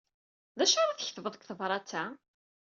D acu ara tketbeḍ deg tebṛat-a?